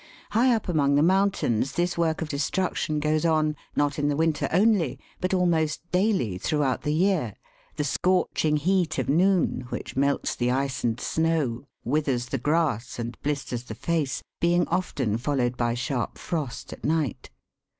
High up among the mountains this work of destruction goes on, not in the winter only, but almost daily throughout the year, the scorching heat of noon, which melts the ice and snow, withers the grass, and blisters the face, being often followed by sharp frost at night.